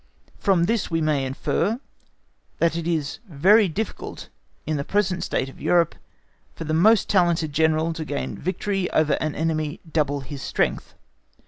From this we may infer, that it is very difficult in the present state of Europe, for the most talented General to gain a victory over an enemy double his strength.